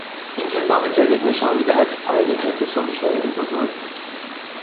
این کتاب جدید نشان میدهد که پروین اعتصامی شاعری بزرگ بود.